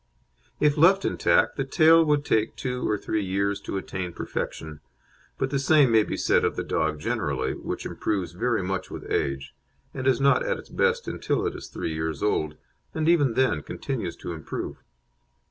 If left intact, the tail would take two or three years to attain perfection, but the same may be said of the dog generally, which improves very much with age, and is not at its best until it is three years old, and even then continues to improve.